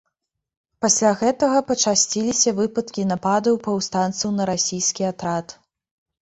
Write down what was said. Пасля гэтага пачасціліся выпадкі нападаў паўстанцаў на расійскі атрад.